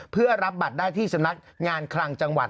เพื่อรับบัตรได้ที่สำนักงานคลังจังหวัด